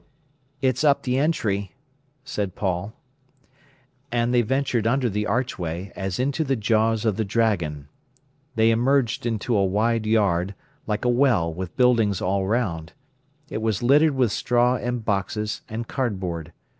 "It's up the entry," said Paul. And they ventured under the archway, as into the jaws of the dragon. They emerged into a wide yard, like a well, with buildings all round. It was littered with straw and boxes, and cardboard.